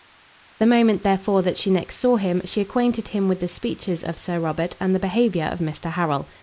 The moment, therefore, that she next saw him, she acquainted him with the speeches of Sir Robert and the behaviour of Mr. Harrel.